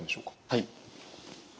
はい。